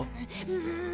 うん。